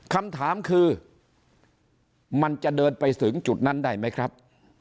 คำถามคือมันจะเดินไปถึงจุดนั้นได้ไหมครับ